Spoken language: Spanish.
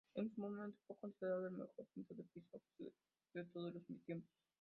En su momento, fue considerado el mejor pintor de paisajes de todos los tiempos.